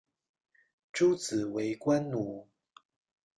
诸子为官奴。